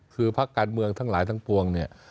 คือภาคการเมืองทั้งหลายทั้งปวง